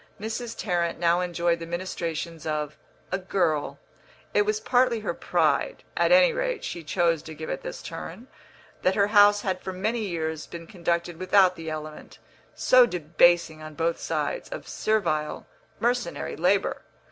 Mrs. Tarrant now enjoyed the ministrations of a "girl"; it was partly her pride (at any rate, she chose to give it this turn) that her house had for many years been conducted without the element so debasing on both sides of servile, mercenary labour.